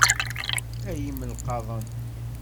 Ay imelqaḍen.